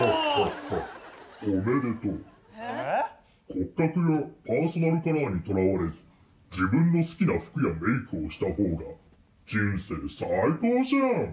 骨格やパーソナルカラーにとらわれず自分の好きな服やメークをした方が人生最高じゃん。